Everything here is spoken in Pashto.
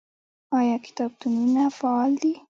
آیا کتابتونونه فعال دي؟